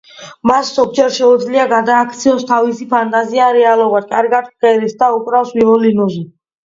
მას ზოგჯერ შეუძლია გადააქციოს თავისი ფანტაზია რეალობად, კარგად მღერის და უკრავს ვიოლინოზე.